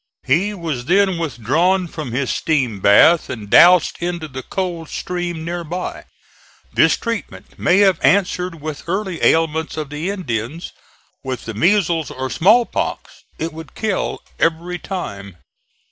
He was then withdrawn from his steam bath and doused into the cold stream near by. This treatment may have answered with the early ailments of the Indians. With the measles or small pox it would kill every time.